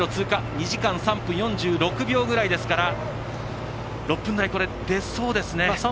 ２時間３６分６秒ぐらいですから６分台、出そうですね。